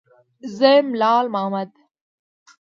_زه يم، لال مامد.